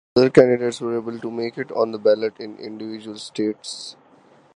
Other candidates were able to make it on the ballot in individual states.